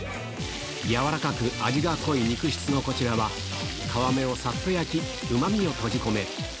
柔らかく味が濃い肉質のこちらは、皮目をさっと焼き、うまみを閉じ込める。